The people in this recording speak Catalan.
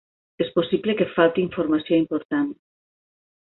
És possible que falti informació important.